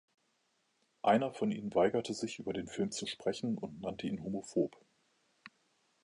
Einer von ihnen weigerte sich, über den Film zu sprechen und nannte ihn homophob.